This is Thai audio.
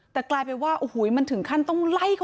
แต่กลายเป็นว่าโอ้โหมันถึงขั้นต้องไล่เขา